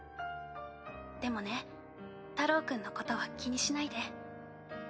でもね太朗君のことは気にしないで。